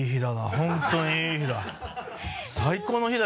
本当にいい日だ！